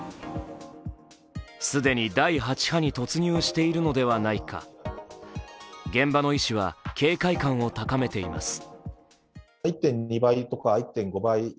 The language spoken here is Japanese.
既に第８波に突入しているのではないか、現場の医師は警戒感を高めています。